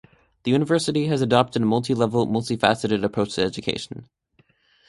The university has adopted a multi-level, multi-faceted approach to education.